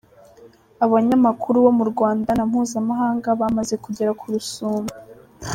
Abanyamakuru bo mu Rwanda na mpuzamahanga bamaze kugera ku Rusumo.